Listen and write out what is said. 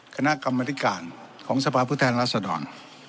คณะกรรมธิการของสภาพผู้แทนรัศดร